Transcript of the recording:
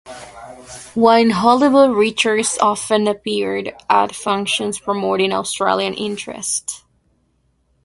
While in Hollywood, Richards often appeared at functions promoting Australian interests.